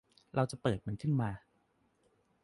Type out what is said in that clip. เราจะเปิดมันขึ้นมา